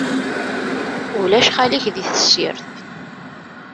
Ulac xali-k, di tessirt.